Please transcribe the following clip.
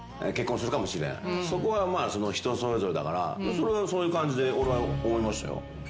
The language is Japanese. それはそういう感じで俺は思いましたよ。